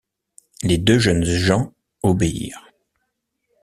Les deux jeunes gens obéirent.